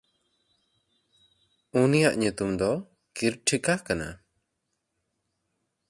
ᱩᱱᱤᱭᱟᱜ ᱧᱩᱛᱩᱢ ᱫᱚ ᱠᱤᱨᱴᱷᱤᱠᱟ ᱠᱟᱱᱟ᱾